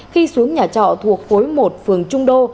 khi xuống nhà trọ thuộc khối một phường trung đô